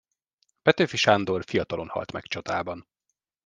Petőfi Sándor fiatalon halt meg csatában.